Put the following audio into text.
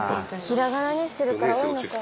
ひらがなにしてるから多いのか。